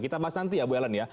kita bahas nanti ya bu ellen ya